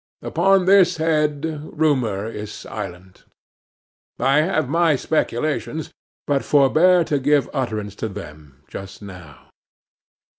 Upon this head, rumour is silent; I have my speculations, but forbear to give utterance to them just now.